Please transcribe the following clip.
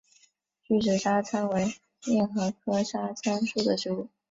锯齿沙参为桔梗科沙参属的植物。